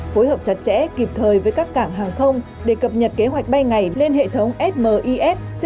phối hợp chặt chẽ kịp thời với các cảng hàng không để cập nhật kế hoạch bay ngày lên hệ thống smis